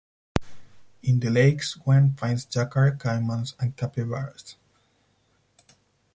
In the lakes one finds yacare caimans and capybaras.